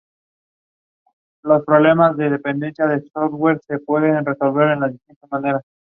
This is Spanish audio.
Tiene búsqueda de texto completo y más funciones de búsqueda.